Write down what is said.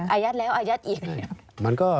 อายัดแล้วอายัดอีก